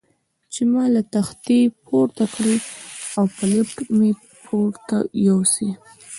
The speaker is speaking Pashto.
چې ما له تختې پورته کړي او په لفټ کې مې پورته یوسي.